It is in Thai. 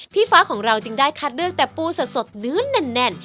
ฟ้าของเราจึงได้คัดเลือกแต่ปูสดเนื้อแน่น